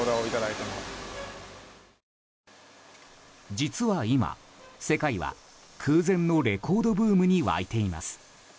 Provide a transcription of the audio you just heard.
実は今、世界は空前のレコードブームに沸いています。